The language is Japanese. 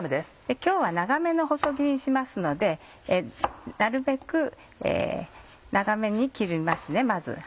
今日は長めの細切りにしますのでなるべく長めに切りますねまず。